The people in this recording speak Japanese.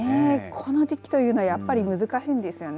この時期というのはやっぱり難しいんですよね。